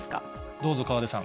どうぞ、河出さん。